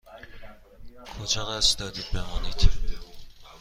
کجا قصد دارید بمانید؟